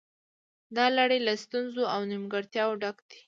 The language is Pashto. دا لړۍ له ستونزو او نیمګړتیاوو ډکه ده